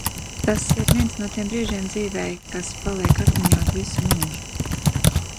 Tas ir viens no tiem brīžiem dzīvē, kas paliek atmiņā uz visu mūžu.